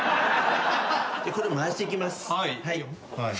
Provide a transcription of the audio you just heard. これ回していきます。